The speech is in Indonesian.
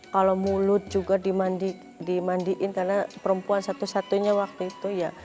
kalau mulut juga dimandiin karena perempuan satu satunya waktu itu ya